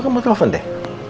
coba ke mama telepon deh